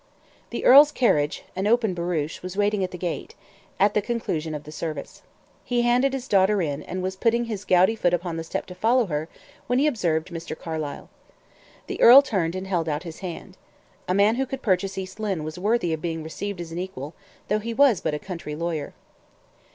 The earl's carriage, an open barouche, was waiting at the gate, at the conclusion of the service. He handed his daughter in, and was putting his gouty foot upon the step to follow her, when he observed Mr. Carlyle. The earl turned and held out his hand. A man who could purchase East Lynne was worthy of being received as an equal, though he was but a country lawyer.